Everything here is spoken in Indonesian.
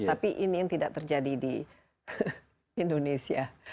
tapi ini yang tidak terjadi di indonesia